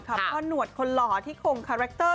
พ่อหนวดคนหล่อที่คงคาแรคเตอร์